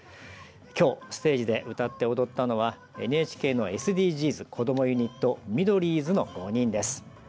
きょうステージで歌って踊ったのはＮＨＫのＳＤＧｓこどもユニット、ミドリーズの５人です。